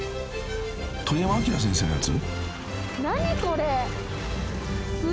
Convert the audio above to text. ［鳥山明先生のやつ？］